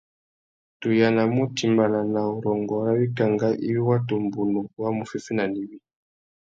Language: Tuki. Tu yānamú utimbāna nà urrôngô râ wikangá iwí watu mbunu wá mú féffena nà iwí.